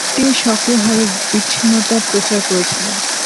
তিনি সক্রিয়ভাবে বিচ্ছিন্নতার প্রচার করেছিলেন।